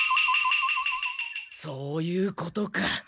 そういうことか。